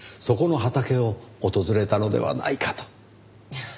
そこの畑を訪れたのではないかと。